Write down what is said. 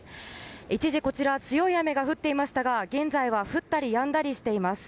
一時、強い雨が降っていましたが現在は降ったりやんだりしています。